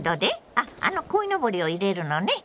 あっあのこいのぼりを入れるのね？